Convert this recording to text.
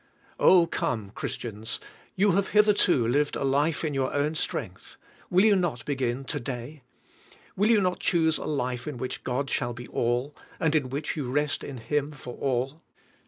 Oh, come. Christians, you have hitherto lived a life in your own strength. Will you not begin to day? Will you not choose a life in which God shall be all, and in which you rest in Him for all?